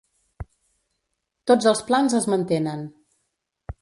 Tots els plans es mantenen